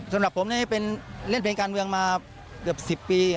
สำหรับผมเล่นเพลงการเมืองมาเกือบ๑๐ปี